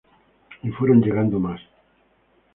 Y fueron llegando más.